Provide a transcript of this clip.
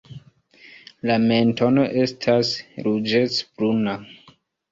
La mentono estas ruĝecbruna.